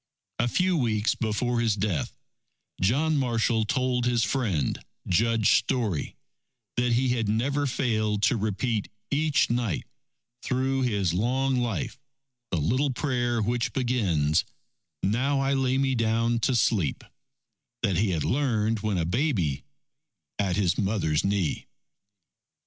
A few weeks before his death, John Marshall told his friend, Judge Story, that he had never failed to repeat each night, through his long life, the little prayer which begins: Now I lay me down to sleep, that he had learned, when a baby, at his mother's knee.